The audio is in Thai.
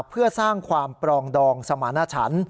เพื่อสร้างความปรองดองสมาณชัน